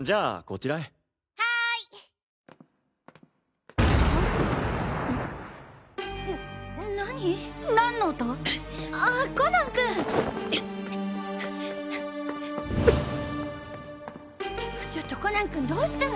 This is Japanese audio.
ちょっとコナン君どうしたの！？